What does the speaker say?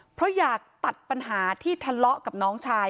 เพราะอยากตัดปัญหาที่ทะเลาะกับน้องชาย